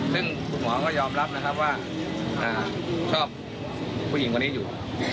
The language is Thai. ซึ่งคุณหมอก็ยอมรับนะครับว่าชอบผู้หญิงคนนี้อยู่